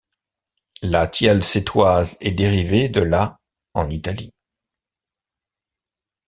La tielle sétoise est dérivée de la en Italie.